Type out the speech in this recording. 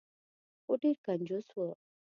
خو ډیر کنجوس و.